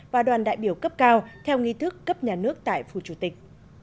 và đoàn đại biểu cấp cao theo nghi thức cấp nhà nước tại phủ chủ tịch